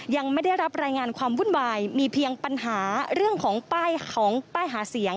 ยังไม่ได้รับรายงานความวุ่นวายมีเพียงปัญหาเรื่องของป้ายของป้ายหาเสียง